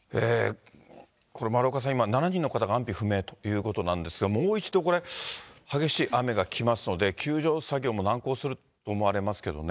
丸岡さん、これ今、７人の方が安否不明ということなんですが、もう一度これ、激しい雨が来ますので、救助作業も難航すると思われますけどもね。